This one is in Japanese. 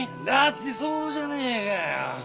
だってそうじゃねえかよ。